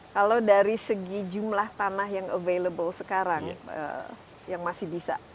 kalau dari segi jumlah tanah yang available sekarang yang masih bisa